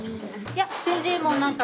いや全然もうなんか。